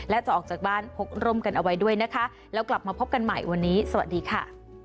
และจะออกจากบ้านพกร่มกันเอาไว้ด้วยนะคะแล้วกลับมาพบกันใหม่วันนี้สวัสดีค่ะ